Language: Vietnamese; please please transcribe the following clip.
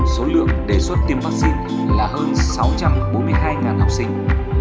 số lượng đề xuất tiêm vắc xin là hơn sáu trăm bốn mươi hai học sinh